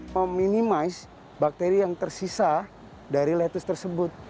meminimize bakteri yang tersisa dari lettuce tersebut